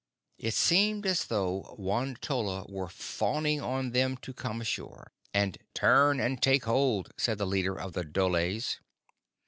It seemed as though Won tolla were fawning on them to come ashore; and "Turn and take hold!" said the leader of the dholes.